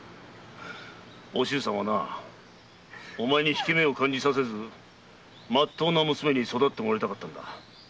お静さんはお前に引け目を感じさせずまっとうな娘に育ってもらいたかった。